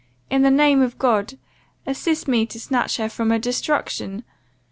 In the name of God, assist me to snatch her from destruction!